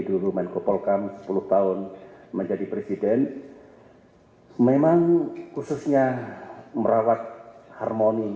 dulu menko polkam sepuluh tahun menjadi presiden memang khususnya merawat harmoni